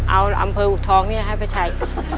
เอาอำเภออูทองเนี่ยให้ปาชัย